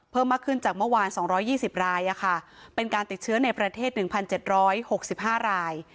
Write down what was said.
เพิ่มมาขึ้นจากเมื่อวานสองร้อยยี่สิบรายอะค่ะเป็นการติดเชื้อในประเทศหนึ่งพันเจ็ดร้อยหกสิบห้าราย